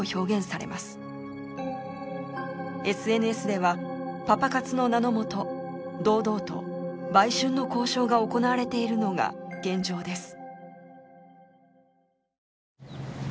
ＳＮＳではパパ活の名のもと堂々と売春の交渉が行われているのが現状です。